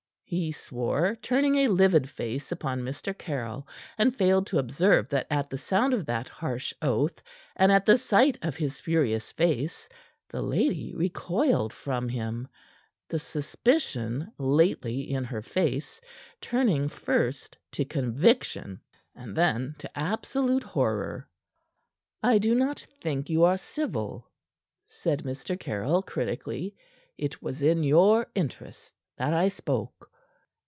he swore, turning a livid face upon Mr. Caryll, and failed to observe that at the sound of that harsh oath and at the sight of his furious face, the lady recoiled from him, the suspicion lately in her face turning first to conviction and then to absolute horror. "I do not think you are civil," said Mr. Caryll critically. "It was in your interests that I spoke."